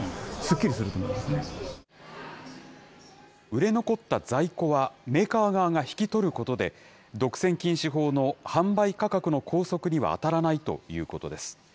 売れ残った在庫は、メーカー側が引き取ることで、独占禁止法の販売価格の拘束には当たらないということです。